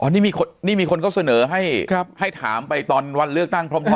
นี่มีคนเขาเสนอให้ถามไปตอนวันเลือกตั้งพร้อม